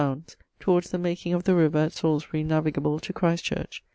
_ towards the making of the river at Salisbury navigable to Christ Church.